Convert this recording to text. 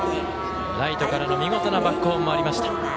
ライトからの見事なバックホームもありました。